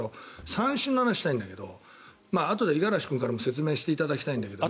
三振の話をしたいんだけどあとで五十嵐君からも説明していただきたいんだけど。